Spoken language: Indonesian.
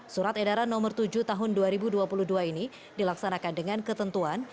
surat edaran nomor tujuh tahun dua ribu dua puluh dua ini dilaksanakan dengan ketentuan